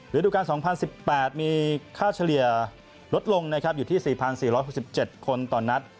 หรือดูการ๒๐๑๘มีค่าเฉลี่ยลดลงอยู่ที่๔๔๖๗คนต่อนัด